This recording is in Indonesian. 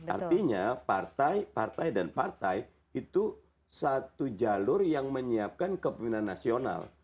artinya partai partai dan partai itu satu jalur yang menyiapkan kepemimpinan nasional